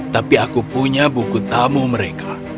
tapi aku punya buku tamu mereka